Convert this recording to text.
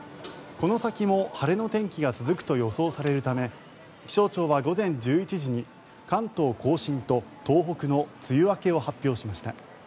この先も晴れの天気が続くと予想されるため気象庁は午前１１時に関東・甲信と東北の梅雨明けを発表しました。